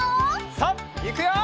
さあいくよ！